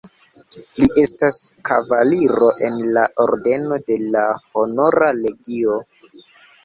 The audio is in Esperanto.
Li estas kavaliro en la ordeno de la Honora Legio.